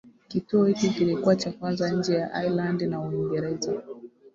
Kituo hiki kilikuwa cha kwanza nje ya Ireland na Uingereza.